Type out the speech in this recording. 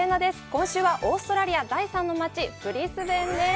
今週はオーストラリア、第三の街ブリスベンです。